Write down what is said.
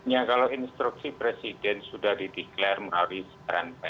ya kalau instruksi presiden sudah diteklar melalui sekarang pr